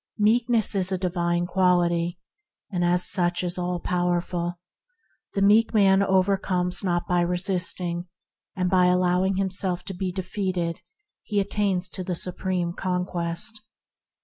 Meekness is a divine quality, and as such is all powerful. The meek man overcomes by not resisting, and by allowing himself to be defeated he attains to the Supreme Conquest.